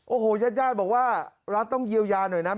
โอ้โหญาติญาติบอกว่ารัฐต้องเยียวยาหน่อยนะ